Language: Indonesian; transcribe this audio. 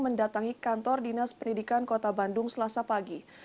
mendatangi kantor dinas pendidikan kota bandung selasa pagi